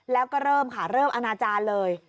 แล้วก็เริ่มค่ะเริ่มอนาจารย์เลย